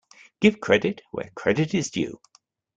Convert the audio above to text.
Give credit where credit is due.